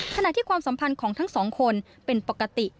ขณะที่ความสัมพันธ์ของทั้งสองคนเป็นปกติ